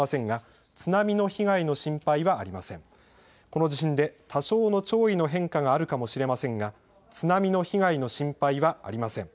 この地震で多少の潮位の変化があるかもしれませんが津波の被害の心配はありません。